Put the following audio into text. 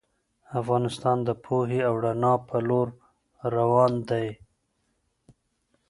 افغانستان د پوهې او رڼا په لور روان دی.